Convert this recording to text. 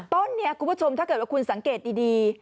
ต้นนี้คุณผู้ชมถ้าเกิดว่าคุณสังเกตดี